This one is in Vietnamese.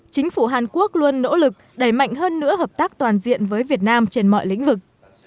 chính phủ hàn quốc luôn nỗ lực đẩy mạnh hơn nữa hợp tác toàn diện với việt nam trên mọi lĩnh vực